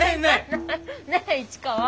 ねえ市川。